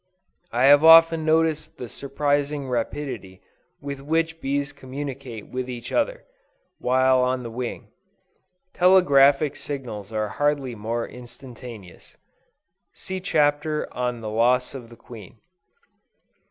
I have often noticed the surprising rapidity with which bees communicate with each other, while on the wing. Telegraphic signals are hardly more instantaneous. (See Chapter on the Loss of the Queen.)